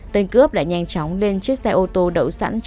tên cướp lại nhanh chóng lên chiếc xe ô tô đậu sẵn